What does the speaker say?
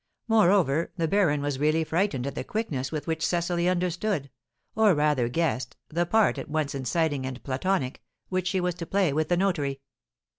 Moreover, the baron was really frightened at the quickness with which Cecily understood or, rather guessed the part, at once inciting and platonic, which she was to play with the notary."